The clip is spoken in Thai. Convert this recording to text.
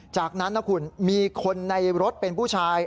จากนั้นนะคุณมีคนในรถเป็นผู้ชาย